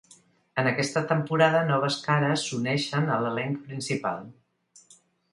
En aquesta temporada noves cares s'uneixen a l'elenc principal.